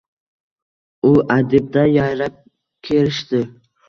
U adibday yayrab, kerishdi.